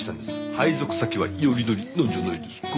配属先はよりどりなんじゃないですか？